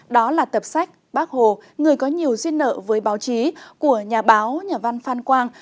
đó là tập sách bác hồ người có nhiều duyên nợ với báo chí của nhà báo nhà văn phan quang